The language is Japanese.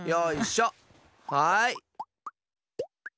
はい。